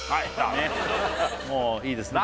ねっもういいですね